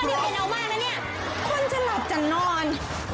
อะไรของพ่อนี่แค้นเอามากนะเนี่ยควรจะหลับจะนอน